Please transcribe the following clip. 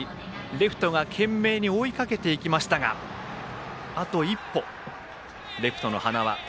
レフトが懸命に追いかけていきましたがあと一歩、レフトの塙。